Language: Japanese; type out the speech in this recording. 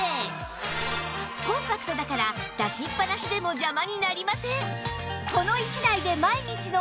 コンパクトだから出しっぱなしでも邪魔になりません